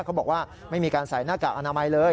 เขาบอกว่าไม่มีการใส่หน้ากากอนามัยเลย